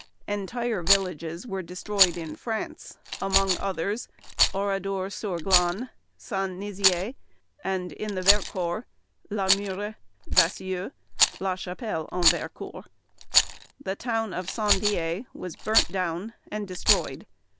Entire villages were destroyed in France, among others Oradour sur Glane, Saint Nizier and, in the Vercors, La Mure, Vassieux, La Chapelle en Vercors. The town of Saint Dié was burnt down and destroyed.